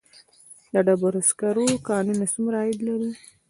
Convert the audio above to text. د ډبرو سکرو کانونه څومره عاید لري؟